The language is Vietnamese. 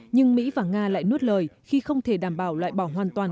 nhưng mỹ và nga lại nuốt lời khi không thể đảm bảo loại bỏ hoàn toàn